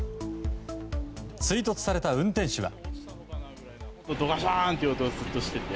追突された運転手は。